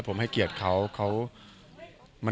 ผมให้เกลียดเขาเขา